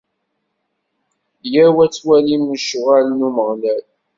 Yyaw ad twalim lecɣwal n Umeɣlal.